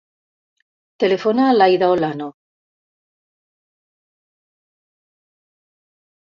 Telefona a l'Aïda Olano.